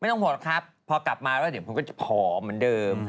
ไม่ต้องพูดพอกลับมาแล้วเดี๋ยวผมก็จะผอมเหมือนเดิม